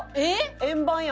円盤や！